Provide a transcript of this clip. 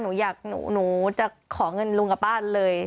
หนูอยากหนูจะขอเงินลุงกับป้าเลย